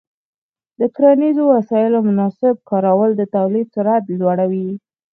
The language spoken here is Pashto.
د کرنیزو وسایلو مناسب کارول د تولید سرعت لوړوي.